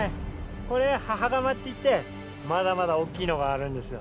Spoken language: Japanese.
これ母釜っていってまだまだ大きいのがあるんですよ。